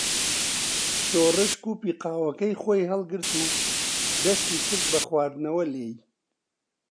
شۆڕش کووپی قاوەکەی خۆی هەڵگرت و دەستی کرد بە خواردنەوە لێی.